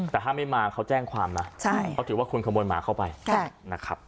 แต่ถ้าไม่มาเขาแจ้งความนะเขาถือว่าคุณขโมยหมาเข้าไปนะครับ